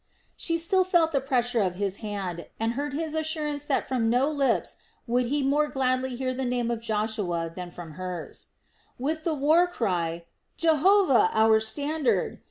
She still felt the pressure of his hand, and heard his assurance that from no lips would he more gladly hear the name of Joshua than from hers. With the war cry "Jehovah our standard!"